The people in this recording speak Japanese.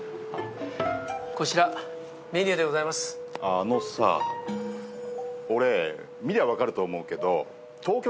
あのさ俺見りゃ分かると思うけど。